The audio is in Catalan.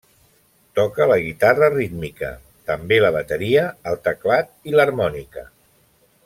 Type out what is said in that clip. Toca la guitarra rítmica, també la bateria, el teclat, i l'harmònica.